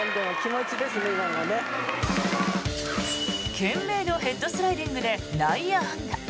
懸命のヘッドスライディングで内野安打。